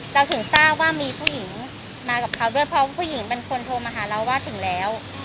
เราถึงทราบว่ามีผู้หญิงมากับเขาด้วยเพราะผู้หญิงเป็นคนโทรมาหาเราว่าถึงแล้ว